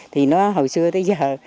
thì nó hồi xưa tới giờ